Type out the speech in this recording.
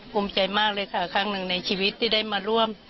ภูมิใจมากเลยค่ะครั้งหนึ่งในชีวิตที่ได้มาร่วม